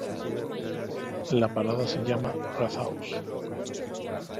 La parada se llama "Rathaus".